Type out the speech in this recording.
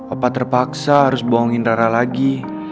apa terpaksa harus bohongin rara lagi